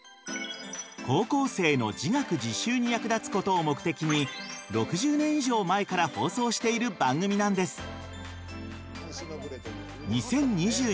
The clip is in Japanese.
高校生の自学自習に役立つことを目的に６０年以上前から放送している番組なんです。